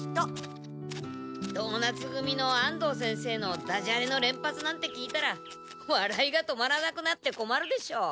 ドーナツ組の安藤先生のダジャレの連発なんて聞いたら笑いが止まらなくなって困るでしょ。